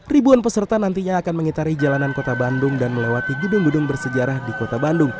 ribuan peserta nantinya akan mengitari jalanan kota bandung dan melewati gedung gedung bersejarah di kota bandung